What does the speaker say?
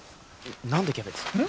何でキャベツ？ん？